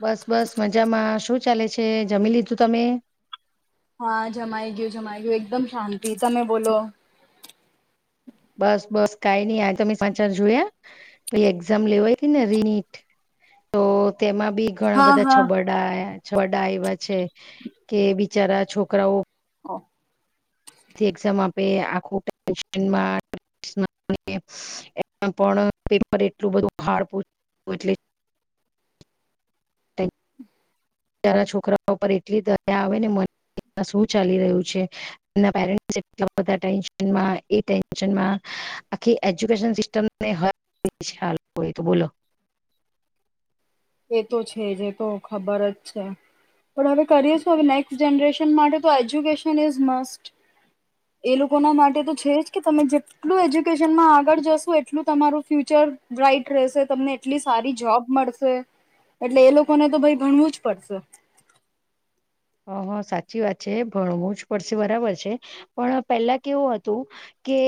બસ બસ મજામાં શું ચાલે છે, જમી લીધું તમે હા જમાઈ ગયું જમાઈ ગયું એકદમ શાંતિ તમે બોલો બસ બસ કઈ નઈ આ તમે સમાચાર જોયા પેલી એક્ઝામ લેવાય હતી ને રિનીટ તો તેમાં બી ઘણા હા બધા હા છબડા છબડા એવા છે કે બિચારા છોકરાઓ [inaudible] એક્ઝામ આપે આખું ટેશનમાં [unintelligible] એ પણ પેપર એટલું બધું હાર્ડ પૂ [unintelligible] એટલે હમ બીચારા છોકરાઓ પર એટલી દયા આવે ને મન શું ચાલી રહ્યું છે, એ પેરેન્ટ્સ એટલા બધા ટેન્શનમાં એ ટેન્શમાં આખી એજ્યુકેશન સિસ્ટેમને હ [unintelligible] આ લોકોએ તો બોલો એ તો છે જે તો ખબર જ છે. પણ હવે કરીએ છું હવે નેક્સ્ટ જનરેશન માટે તો એજ્યુકેશન ઇઝ મસ્ટ એ લોકોના માટે તો છે જ કે તમે જેટલું એજ્યુકેશનમાં આગળ જશો એટલું તમારું ફ્યુચર બ્રાઇટ રહેશે તમને એટલી સારી જોબ મળશે એટલે એ લોકોને તો ભાઈ ભણવું જ પડશે હ હ સાચી વાત છે, ભણવું જ પડશે બરાબર છે, પણ પહેલા કેવું હતું કે કે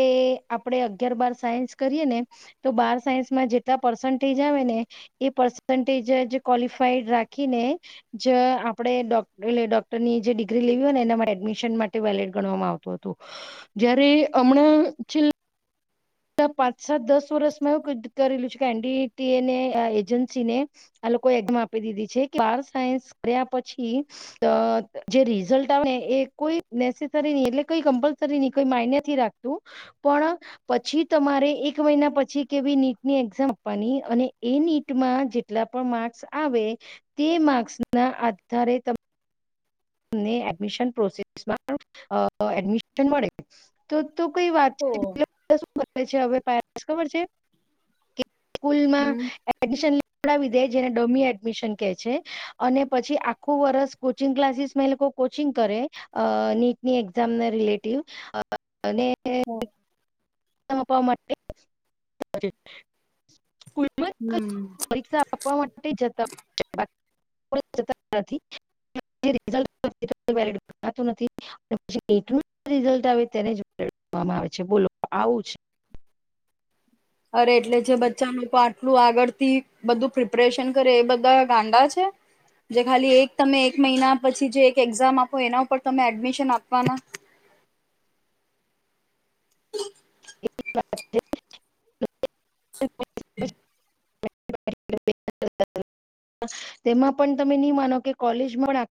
આપણેે અગિયાર બાર સાયન્સ કરીએ ને તો બાર સાયન્સમાં જેટલા પર્સન્ટેજ આવે ને એ પર્સન્ટેજ ક્વલફાઈડ રાખીને જે આપણેે ડોક એટલે ડોક્ટરની જે ડિગ્રી લેવી હોય ને એના માટે એડમિશન માટે વેલિડ ગણવામાં આવતું હતું જયારે હમણાં છે પાંચ સાત દસ વર્ષમાં એવું કરેલું છે કે એનડીટીએને એજન્સી ને એઝામ આપી દીધી છે કે બાર સાયન્સ કર્યા પછી જે રિઝલ્ટ આવે એ કોઈ નેસેસરી નહી એટલેઈ કમ્પલસરી નહી કોઈ માન્યથી રાખતું પણ પછી તમારે એક મહિના પછી કેવી નીટની એક્ઝામ આપવાની અને એ નીટમાં જેટલા માર્સ આવે તે માર્ક્સ ના આધારે ત તમને એડમિશન પ્રોસેસમાં એડમિશન મળે તો તો કઈ વાત તો છે હવે ખબર છે સ્કૂલમાં હમ એડમિશન જોડાાવીધે જેને ડમી એડમિશન કેહે છે અને પછી આખું વર્સ કોચિંગ ક્લાસીસ મે લોકો કોચિંગ કરે નીટની એક્ઝામ રિલેટિવ હ અનેપવા માટે સ્કૂલમાં જ હમ પરીક્ષા આપવા માટે જતા હો નથી આવે તેને આવે બોલો આવું જ અરે એટલે જે બચ્ચા લોકો આટલું આગળ થી બધું પ્રિપરેશન કરે એ બધા ગાંડા છે જે ખાલી એક તમે એક મહિના પછી જે એક એક્ઝામ આપો એના ઉપર તમે એડમિશન આપવાના એ તેમાં પણ તમે નહી માનો કે કોલેજમાં